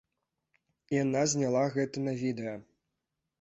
Яна зняла гэта на відэа.